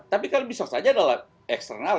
tapi kalau bisa saja adalah eksternal